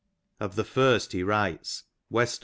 Of the first he writes (TV.